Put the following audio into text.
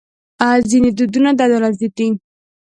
ځینې دودونه د عدالت ضد دي.